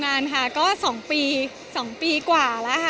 นานค่ะก็๒ปี๒ปีกว่าแล้วค่ะ